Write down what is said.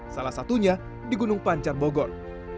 salah satunya di gunung pancar bogor